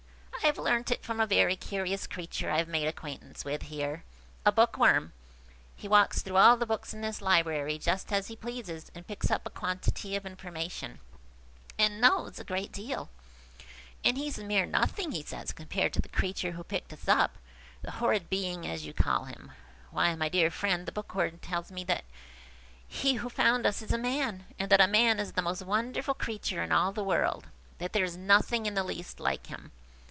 "I have learnt it from a very curious creature I have made acquaintance with here–a bookworm. He walks through all the books in this library just as he pleases, and picks up a quantity of information, and knows a great deal. And he's a mere nothing, he says, compared to the creature who picked us up–the 'horrid being' as you call him. Why, my dear friend, the Bookworm tells me that he who found us is a man, and that a man is the most wonderful creature in all the world; that there is nothing in the least like him.